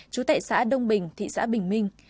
chú tại xã đông bình thị xã bình minh